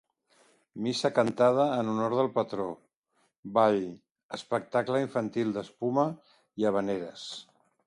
Missa cantada en honor del patró, ball, espectacle infantil d'espuma i havaneres.